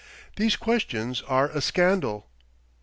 "These questions are a scandal."